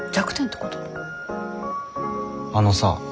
あのさ。